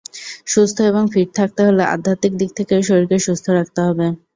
সুস্থ এবং ফিট থাকতে হলে আধ্যাত্মিক দিক থেকেও শরীরকে সুস্থ রাখতে হবে।